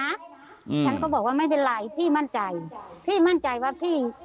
อืมฉันก็บอกว่าไม่เป็นไรพี่มั่นใจพี่มั่นใจว่าพี่